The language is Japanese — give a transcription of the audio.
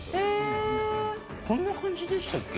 こんな感じでしたっけ。